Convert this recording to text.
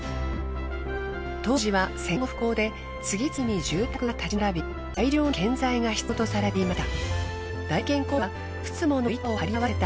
当時は戦後の復興で次々に住宅が建ち並び大量の建材が必要とされていました。